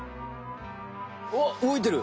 わっ動いてる！